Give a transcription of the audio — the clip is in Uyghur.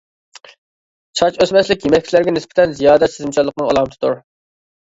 چاچ ئۆسمەسلىك-يېمەكلىكلەرگە نىسبەتەن زىيادە سېزىمچانلىقنىڭ ئالامىتىدۇر.